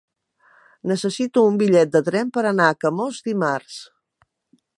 Necessito un bitllet de tren per anar a Camós dimarts.